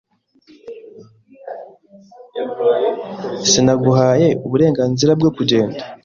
Sinaguhaye uburenganzira bwo kugenda.